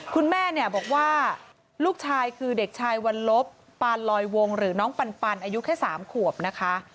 คุณแม่เนี่ยบอกว่าลูกชายคือเด็กชายวันลบปานลอยวงหรือน้องปันอายุแค่๓ขวบนะคะ